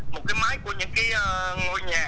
một cái máy của những cái ngôi nhà